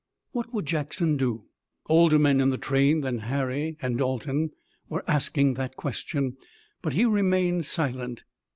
What would Jackson do? Older men in the train than Harry and Dalton were asking that question, but he remained silent.